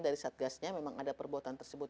dari satgasnya memang ada perbuatan tersebut